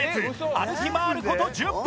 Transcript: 歩き回る事１０分。